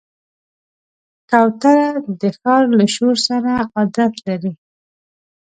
کوتره د ښار له شور سره عادت لري.